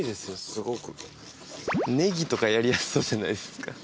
すごくネギとかやりやすそうじゃないですか？